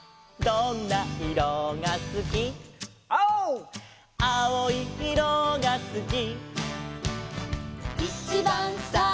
「どんないろがすき」「」「きいろいいろがすき」